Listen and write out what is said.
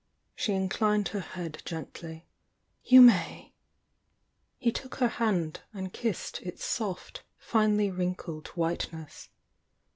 She inclined her head gently. "You may!" He took her hand and kissed its soft, finely wrin kled whiteness.